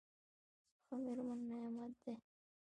ښه مېرمن نعمت دی.